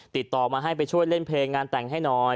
ติดต่อมาให้ไปช่วยเล่นเพลงงานแต่งให้หน่อย